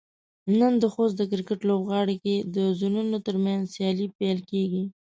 نن د خوست د کرکټ لوبغالي کې د زونونو ترمنځ سيالۍ پيل کيږي.